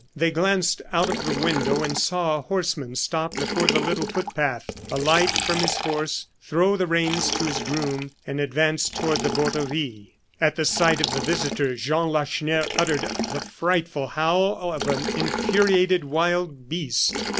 They glanced out of the window and saw a horseman stop before the little footpath, alight from his horse, throw the reins to his groom, and advance toward the Borderie. At the sight of the visitor, Jean Lacheneur uttered the frightful howl of an infuriated wild beast.